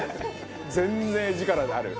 全然画力がある。